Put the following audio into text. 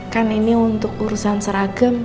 kan ini untuk urusan seragam